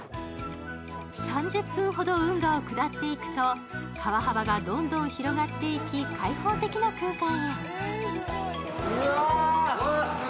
３０分ほど運河を下っていくと、川幅がどんどん広がっていき、開放的な空間へ。